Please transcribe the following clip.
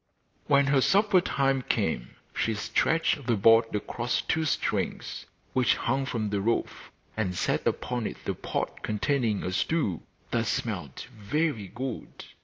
When her supper time came she stretched the board across two strings which hung from the roof, and set upon it the pot containing a stew that smelt very good.